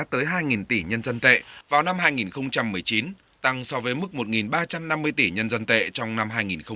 tới hai tỷ nhân dân tệ vào năm hai nghìn một mươi chín tăng so với mức một ba trăm năm mươi tỷ nhân dân tệ trong năm hai nghìn một mươi tám